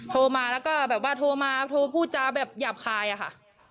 โทรมาแล้วก็แบบว่าโทรมาโทรพูดจาแบบหยาบคายอะค่ะ